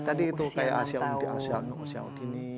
tadi itu kayak asia undi asia undi